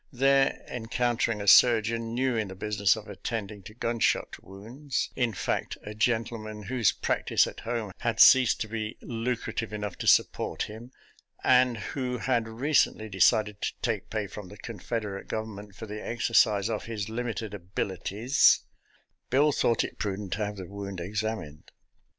There encountering a surgeon new in the business of attending to gunshot wounds — ^in fact, a gentleman whose practice at home had ceased to be lucrative enough to support him, and who had recently decided to take pay from the Confederate Gov ernment for the exercise of his limited abilities — Bill thought it prudent to have the wound ex amined.